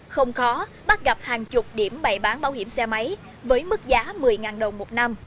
không khó bắt gặp hàng chục điểm bày bán bảo hiểm xe máy với mức giá một mươi đồng một năm